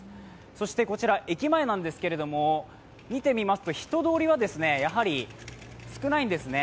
そしてこちら、駅前なんですけれども、見てみますと人通りは、やはり少ないんですね。